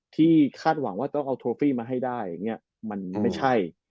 ที่คาดหวังว่าต้องเอาโทฟี่มาให้ได้มันไม่ใช่